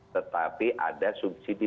tetapi ada subsidi